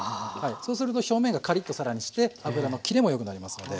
そうすると表面がカリッと更にして油の切れも良くなりますので。